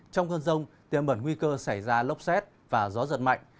trong cơn rông tiêm bẩn nguy cơ xảy ra lốc xét và gió giật mạnh